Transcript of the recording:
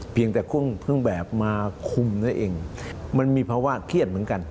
เพียงแต่เครื่องแบบมาคุมนั่นเองมันมีภาวะเครียดเหมือนกัน